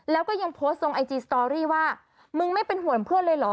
แล้วก็ยังโพสต์ลงไอจีสตอรี่ว่ามึงไม่เป็นห่วงเพื่อนเลยเหรอ